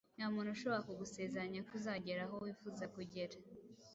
Nta muntu ushobora kugusezeranya ko uzagera aho wifuza kugera